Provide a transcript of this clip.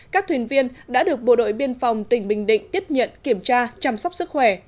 các thuyền viên đã được bộ đội biên phòng tỉnh bình định tiếp nhận kiểm tra chăm sóc sức khỏe